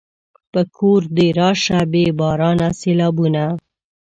په کور دې راشه بې بارانه سېلابونه